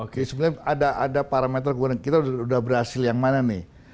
oke sebenarnya ada parameter kemudian kita sudah berhasil yang mana nih